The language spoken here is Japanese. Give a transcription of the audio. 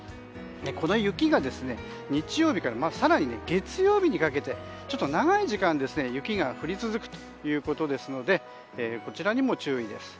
この雪が日曜日から更に月曜日にかけて長い時間雪が降り続くということですのでこちらにも注意です。